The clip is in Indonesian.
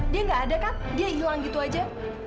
dia gak ada kan dia iluang gitu aja